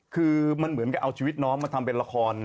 คือมันเหมือนกับเอาชีวิตน้องมาทำเป็นละคร